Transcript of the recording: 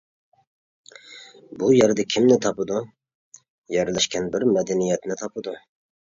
بۇ يەردە كىمنى تاپىدۇ؟ يەرلەشكەن بىر مەدەنىيەتنى تاپىدۇ.